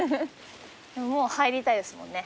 もう入りたいですもんね